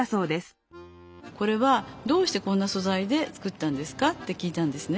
「これはどうしてこんなそざいで作ったんですか？」って聞いたんですね。